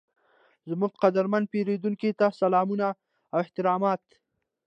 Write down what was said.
زموږ قدرمن پیرودونکي ته سلامونه او احترامات،